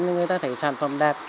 người ta thấy sản phẩm đẹp